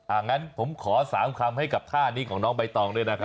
อย่างนั้นผมขอ๓คำให้กับท่านี้ของน้องใบตองด้วยนะครับ